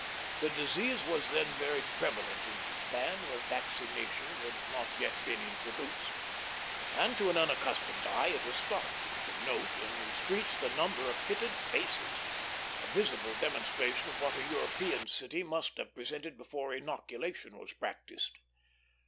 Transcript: The disease was then very prevalent in Japan, where vaccination had not yet been introduced; and to an unaccustomed eye it was startling to note in the streets the number of pitted faces, a visible demonstration of what a European city must have presented before inoculation was practised.